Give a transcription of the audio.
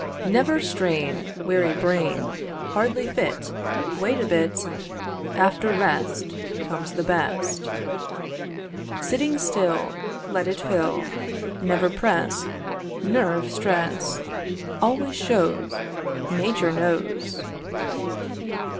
Never strain Weary brain, Hardly fit, Wait a bit! After rest Comes the best. Sitting still, Let it fill; Never press; Nerve stress Always shows. Nature knows.